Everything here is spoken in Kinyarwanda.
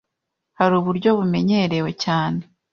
Hari uburyo bumenyerewe cyane